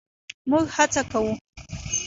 مونږ هڅه کوو